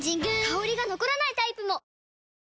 香りが残らないタイプも！